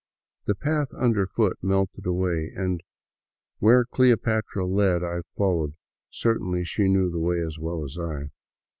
The path underfoot melted away, and where " Cleopatra " led, I followed, certain she knew the way as w^ell as I.